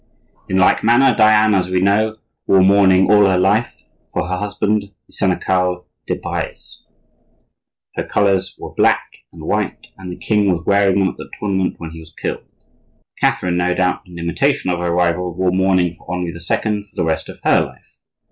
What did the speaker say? In like manner Diane, as we know, wore mourning all her life for her husband the Senechal de Breze. Her colors were black and white, and the king was wearing them at the tournament when he was killed. Catherine, no doubt in imitation of her rival, wore mourning for Henri II. for the rest of her life.